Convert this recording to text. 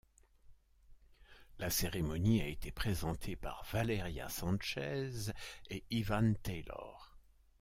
La cérémonie a été présentée par Valeria Sánchez et Ivan Taylor.